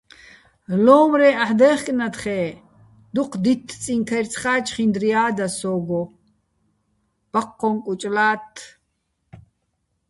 ლო́უ̆მრეჼ აჰ̦ დაე̆ხკნათხე́ დუჴ დითთწიჼ ქაჲრცხა́ ჩხინდრია́ და სო́გო, ბაჴჴო́ჼ კუჭ ლა́თთე̆.